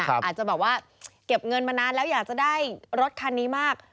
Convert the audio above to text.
อาจจะแบบว่าเก็บเงินมานานแล้วอยากจะได้รถคันนี้มาก